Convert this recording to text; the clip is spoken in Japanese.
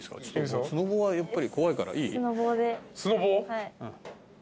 はい。